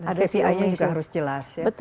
kpi nya juga harus jelas ya